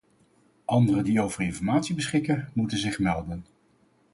Anderen die over informatie beschikken moeten zich melden.